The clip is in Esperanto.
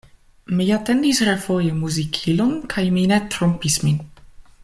Mi atendis refoje muzikilon kaj mi ne trompis min.